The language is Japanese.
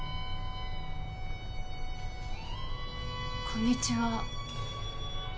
こんにちは。